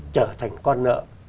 trở thành con nợ